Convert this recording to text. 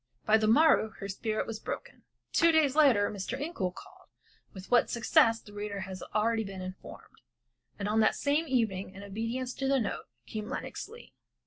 By the morrow her spirit was broken. Two days later Mr. Incoul called with what success the reader has been already informed, and on that same evening in obedience to the note, came Lenox Leigh.